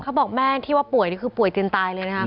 เขาบอกแม่ที่ว่าป่วยนี่คือป่วยจนตายเลยนะครับ